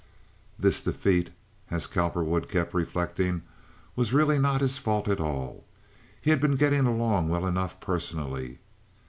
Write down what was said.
This defeat, as Cowperwood kept reflecting, was really not his fault at all. He had been getting along well enough personally.